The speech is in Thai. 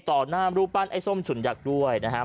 หน้ารูปปั้นไอ้ส้มฉุนยักษ์ด้วยนะครับ